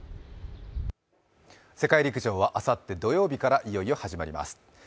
世界陸上はあさって土曜日からいよいよ始まります。